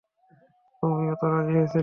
তুমিও তো রাজি হয়েছিলে।